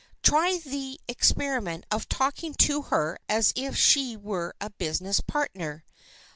Try the experiment of talking to her as if she were a business partner.